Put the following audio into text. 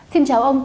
xin chào ông